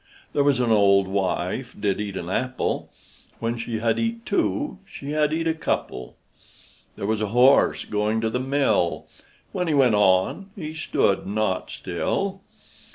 There was an old wife did eat an apple, When she had eat two, she had eat a couple. There was a horse going to the mill, When he went on, he stood not still.